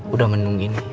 udah menunggi nih